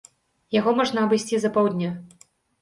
Яго можна абысці за паўдня.